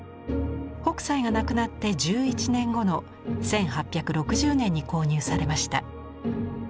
北斎が亡くなって１１年後の１８６０年に購入されました。